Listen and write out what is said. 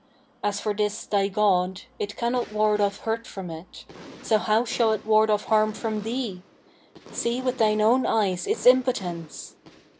As for this thy god, it cannot ward off hurt from it; so how shall it ward off harm from thee? See with thine own eyes its impotence.'